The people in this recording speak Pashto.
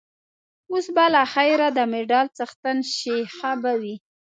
اوس به له خیره د مډال څښتن شې، ښه به وي.